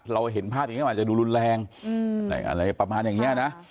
เราเห็นภาพอย่างนี้มันอาจจะดูรุนแรงอะไรประมาณอย่างนี้นะ